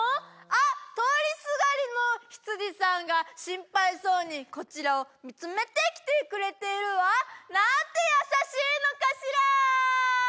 あっ通りすがりのひつじさんが心配そうにこちらを見つめてきてくれているわなんて優しいのかしらー！